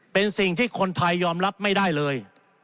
เป็นสิ่งที่คนไทยยอมรับไม่ได้เลย